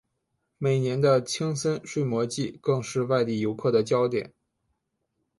每年的青森睡魔祭更是外地游客的焦点。